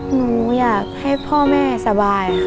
หนูอยากให้พ่อแม่สบายค่ะ